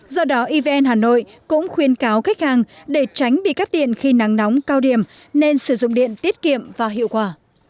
do đó evn hà nội cũng khuyên cáo khách hàng để tránh bị cắt điện khi nắng nóng cao điểm nên sử dụng điện tiết kiệm và hiệu quả